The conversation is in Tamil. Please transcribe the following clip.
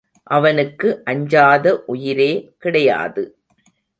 அவனுக்கு அஞ்சாத உயிரே கிடையாது.